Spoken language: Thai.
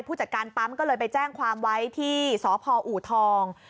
ผู้จัดการปั๊มก็เลยไปแจ้งความไว้ที่สพอูทอง